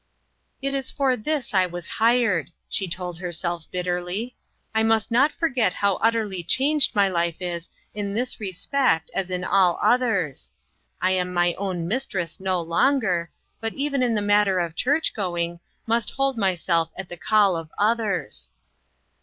" It is for this I was hired," she told her self bitterly. " I must not forget how utterly changed my life is in this respect as in all others. I am my own mistress n,o longer, but even in the matter of church going must hold myself at the call of others."